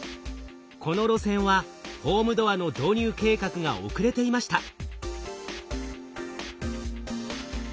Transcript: この路線はホームドアの導入計画が遅れていました。